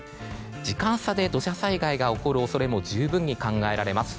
時間差で土砂災害が起こる恐れも十分に考えられます。